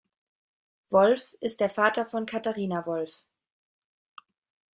Wolff ist der Vater von Katharina Wolff.